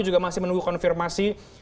juga masih menunggu konfirmasi